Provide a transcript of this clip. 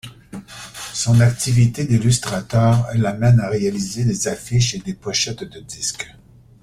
Son activité d'illustrateur l'amène à réaliser des affiches et des pochettes de disques.